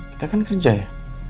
kita kan kerja ya